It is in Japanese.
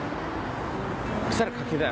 そしたら柿だよ。